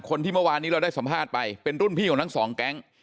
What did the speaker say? เมื่อวานนี้เราได้สัมภาษณ์ไปเป็นรุ่นพี่ของทั้งสองแก๊ง